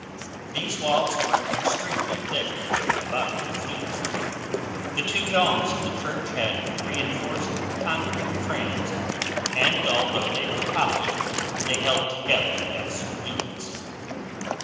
These walls were extremely thick (about 2 feet). The two domes of the church had reinforced concrete frames and although they were toppled, they held together as units.